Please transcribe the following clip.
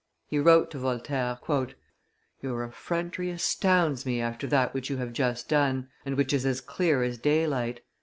He wrote to Voltaire, "Your effrontery astounds me after that which you have just done, and which is as clear as daylight.